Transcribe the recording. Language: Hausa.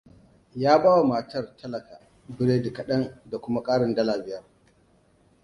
Ya bawa talakar matar biredi kaɗan da kuma ƙarin dala biyar.